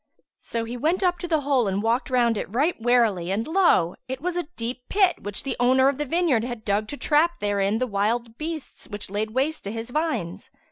So he went up to the hole and walked round it right warily, and lo! it was a deep pit, which the owner of the vineyard had dug to trap therein the wild beasts which laid waste his vines.